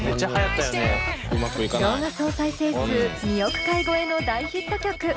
動画総再生数２億回超えの大ヒット曲